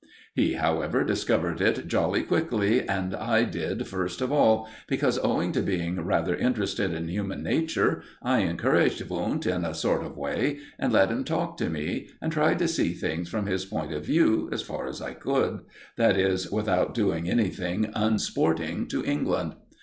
He, however, discovered it jolly quickly, and I did first of all, because, owing to being rather interested in human nature, I encouraged Wundt in a sort of way, and let him talk to me, and tried to see things from his point of view, as far as I could that is, without doing anything unsporting to England.